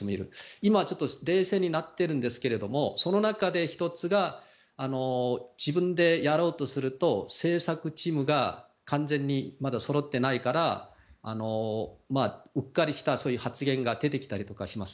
今、冷静になってるんですけどその中で１つが自分でやろうとすると政策チームが完全にまだそろってないからうっかりした発言が出てきたりします。